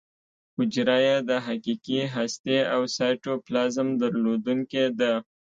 حجره یې د حقیقي هستې او سایټوپلازم درلودونکې ده.